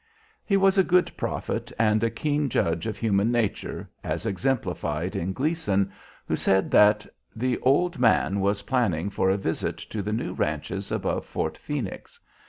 He was a good prophet and a keen judge of human nature as exemplified in Gleason, who said that "the old man" was planning for a visit to the new ranches above Fort Phoenix.